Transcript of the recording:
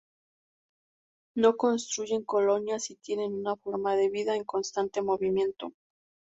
No construyen colonias y tienen una forma de vida en constante movimiento.